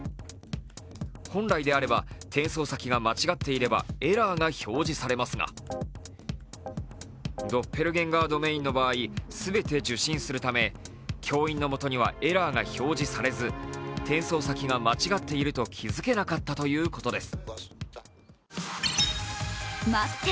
本来であれば、転送先が間違っていればエラーが表示されますがドッペルゲンガー・ドメインの場合全て受信するため教員の元にはエラーが表示されず、転送先が間違っていると気付けなかったということです。